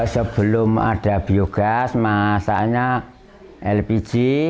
sebelum ada biogas masalahnya lpg